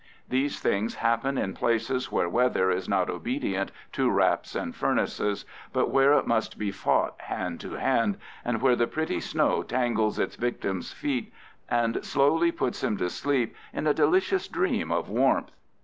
These things happen in places where weather is not obedient to wraps and furnaces, but where it must be fought hand to hand and where the pretty snow tangles its victim's feet and slowly puts him to sleep in a delicious dream of warmth.